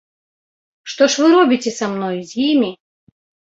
Што ж вы робіце са мной, з імі?